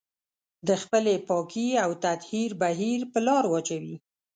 د خپلې پاکي او تطهير بهير په لار واچوي.